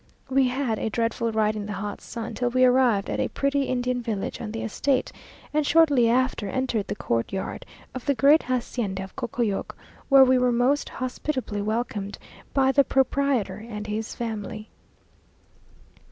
We had a dreadful ride in the hot sun, till we arrived at a pretty Indian village on the estate, and shortly after entered the courtyard of the great hacienda of Cocoyoc, where we were most hospitably welcomed by the proprietor and his family.